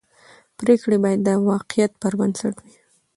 پرېکړې باید د واقعیت پر بنسټ وي